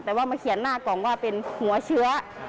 แต่ว่ามาเขียนหน้ากล่องว่าเป็นหัวเชื้อ